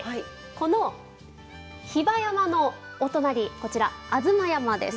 この比婆山のお隣こちら吾妻山です。